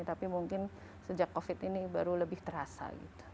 tapi mungkin sejak covid ini baru lebih terasa gitu